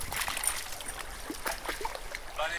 ایا ته له تاریخي شعور څخه برخمن یې؟